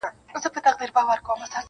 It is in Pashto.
بد ښکارېږم چي وړوکی یم- سلطان یم-